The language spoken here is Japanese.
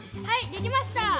はいできました。